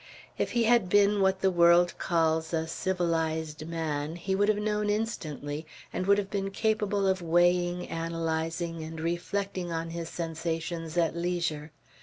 If he had been what the world calls a civilized man, he would have known instantly and would have been capable of weighing, analyzing, and reflecting on his sensations at leisure.